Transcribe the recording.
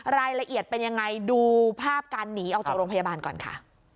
รายละเอียดเป็นยังไงดูภาพการหนีออกจากโรงพยาบาลก่อนค่ะ